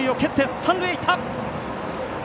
三塁へ行った。